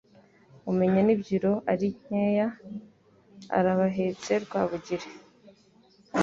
Umenya n' imbyiro ari nkeya ! Arabahetse Rwabugiri,